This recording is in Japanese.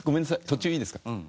途中いいですか？